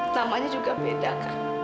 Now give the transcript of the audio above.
namanya juga beda kan